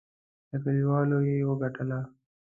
له کلیوالو یې وګټله.